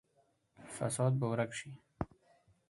فساد به ورک شي.